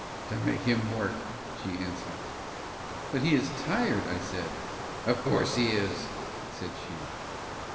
"To make him work," she answered. "But he is tired," I said. "Of course he is," said she.